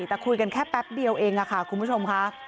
แต่คุยกันแค่แป๊บเดียวเองค่ะคุณผู้ชมค่ะ